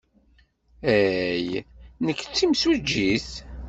Hey, nekk d timsujjit.